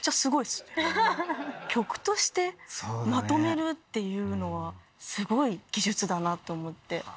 曲としてまとめるっていうのはすごい技術だなと思って。